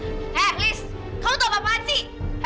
eh liz kau tau apaan sih